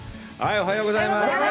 おはようございます。